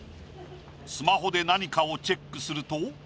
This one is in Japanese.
スマホで何かをチェックすると。